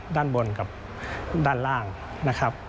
ด้านบนกับด้านล่างนะครับ